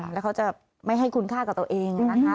แล้วเขาจะไม่ให้คุณค่ากับตัวเองนะคะ